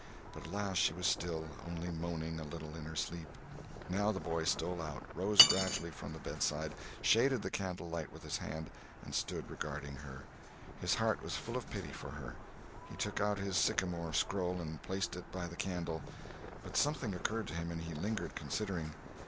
But at last she was still, only moaning a little in her sleep. Now the boy stole out, rose gradually by the bedside, shaded the candle light with his hand, and stood regarding her. His heart was full of pity for her. He took out his sycamore scroll and placed it by the candle. But something occurred to him, and he lingered considering.